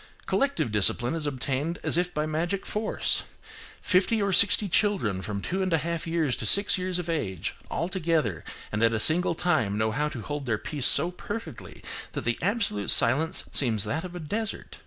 Collective discipline is obtained as if by magic force. Fifty or sixty children from two and a half years to six years of age, all together, and at a single time know how to hold their peace so perfectly that the absolute silence seems that of a desert.